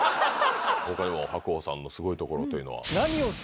他にも白鵬さんのすごいところというのは？